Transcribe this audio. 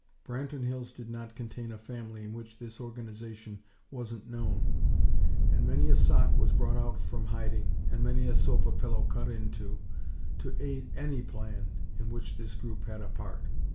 Branton Hills did not contain a family in which this Organization wasn't known; and many a sock was brought out from hiding, and many a sofa pillow cut into, to aid any plan in which this group had a part.